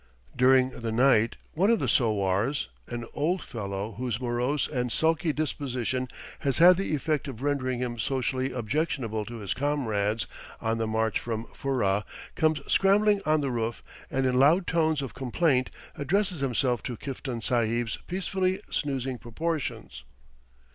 During the night one of the sowars, an old fellow whose morose and sulky disposition has had the effect of rendering him socially objectionable to his comrades on the march from Furrah, comes scrambling on the roof, and in loud tones of complaint addresses himself to Kiftan Sahib's peacefully snoozing proportions.